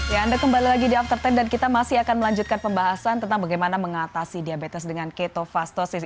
ya anda kembali lagi di after sepuluh dan kita masih akan melanjutkan pembahasan tentang bagaimana mengatasi diabetes dengan ketofastosis